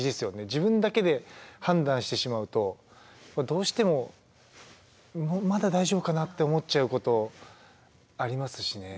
自分だけで判断してしまうとどうしてもまだ大丈夫かなって思っちゃうことありますしね。